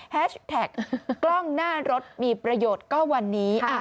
แฮชแท็กกล้องหน้ารถมีประโยชน์ก็วันนี้